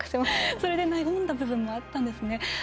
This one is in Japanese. それで和んだ部分もあったんですね。